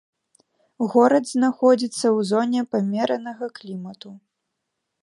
Горад знаходзіцца ў зоне памеранага клімату.